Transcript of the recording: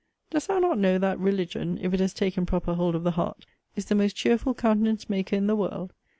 Dost thou not know, that religion, if it has taken proper hold of the heart, is the most cheerful countenance maker in the world?